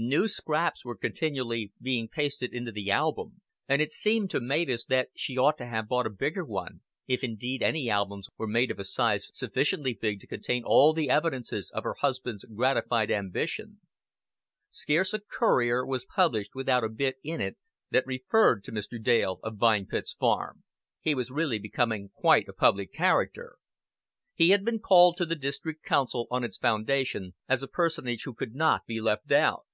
New scraps were continually being pasted into the album, and it seemed to Mavis that she ought to have bought a bigger one, if indeed any albums were made of a size sufficiently big to contain all the evidences of her husband's gratified ambition. Scarce a Courier was published without "a bit" in it that referred to Mr. Dale of Vine Pits Farm. He was really becoming quite a public character. He had been called to the District Council, on its foundation, as a personage who could not be left out.